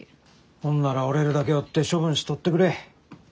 ほんならおれるだけおって処分しとってくれ。